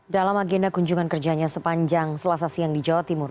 dalam agenda kunjungan kerjanya sepanjang selasa siang di jawa timur